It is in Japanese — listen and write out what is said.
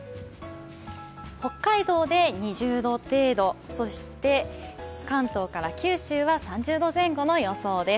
北海道で２０度程度、関東から九州は３０度前後の予想です。